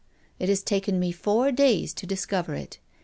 it has taken me four days to discover it.